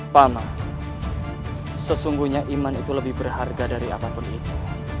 pama sesungguhnya iman itu lebih berharga dari apapun itu